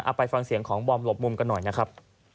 ไปฟังเสียงของบอมหลบมุมกันหน่อยนะครับ